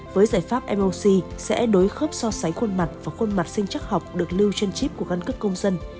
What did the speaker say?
với giải pháp mlc sẽ đối khớp so sánh khuôn mặt và khuôn mặt sinh chắc học được lưu trên chip của căn cước công dân